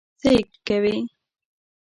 څه یې کوې؟